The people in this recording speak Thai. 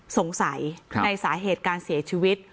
สงสัยในสาเหตุการเสียชีวิต